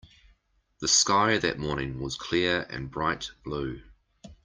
The sky that morning was clear and bright blue.